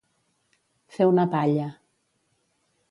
Fer una palla.